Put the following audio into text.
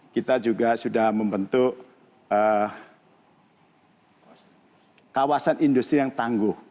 kita juga sudah membentuk kawasan industri yang tangguh